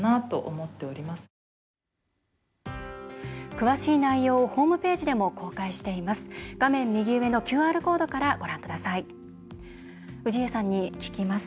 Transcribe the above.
詳しい内容をホームページでも公開しています。